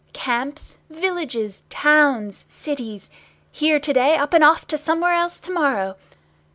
Camps, villages, towns, cities! Here to day, up and off to somewhere else to morrow!